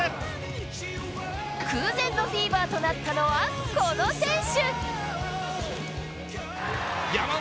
空前のフィーバーとなったのはこの選手。